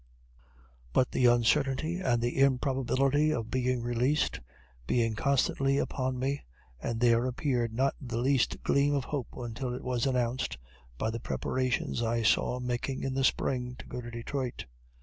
But the uncertainty, and the improbability, of being released, being constantly upon me, and there appeared not the least gleam of hope until it was announced, by the preparations I saw making in the spring, to go to Detroit.